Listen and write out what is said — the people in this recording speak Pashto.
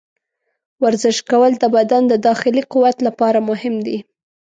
ورزش کول د بدن د داخلي قوت لپاره مهم دي.